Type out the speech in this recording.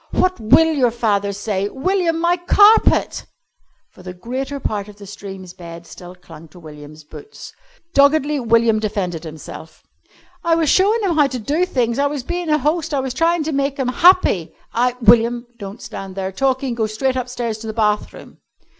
"What will your father say?" "William, my carpet!" For the greater part of the stream's bed still clung to William's boots. Doggedly William defended himself. "I was showin' 'em how to do things. I was bein' a host. I was tryin' to make 'em happy! I " "William, don't stand there talking. Go straight upstairs to the bathroom."